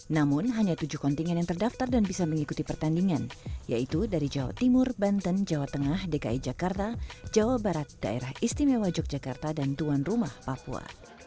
namun hanya tujuh kontingen yang terdaftar dan bisa mengikuti pertandingan yaitu dari jawa timur banten jawa tengah dki jakarta jawa barat daerah istimewa yogyakarta dan tuan rumah papua